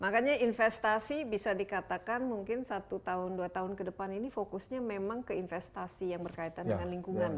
makanya investasi bisa dikatakan mungkin satu tahun dua tahun ke depan ini fokusnya memang ke investasi yang berkaitan dengan lingkungan ya